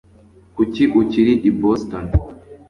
kuki ukiri i boston